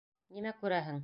— Нимә күрәһең?